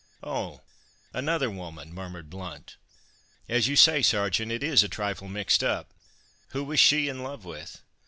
"Oh! another woman!" murmured Blount; "as you say, Sergeant, it is a trifle mixed up. Who was she in love with?"